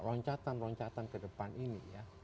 loncatan loncatan ke depan ini ya